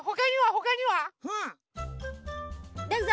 ほかには？